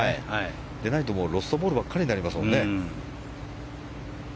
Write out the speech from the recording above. でないとロストボールばっかりになりますからね。